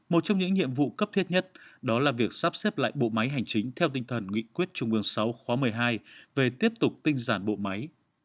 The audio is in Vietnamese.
một trong những nhiệm vụ cấp thiết nhất đó là việc sắp xếp lại bộ máy hành chính theo tinh thần nghị quyết trung ương sáu khóa một mươi hai về tiếp tục tinh giản bộ máy